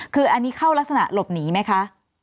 คืออันนี้เข้ารักษณะหลบหนีไหมคะ